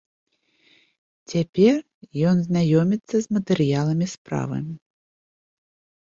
Цяпер ён знаёміцца з матэрыяламі справы.